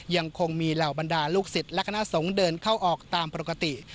ยังคงมีเหล่าบรรดาลูกศิษย์และคณะสงฆ์เดินเข้าออกตามปกติ